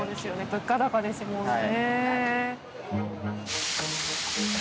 物価高ですものね。